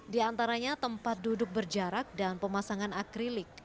di antaranya tempat duduk berjarak dan pemasangan akrilik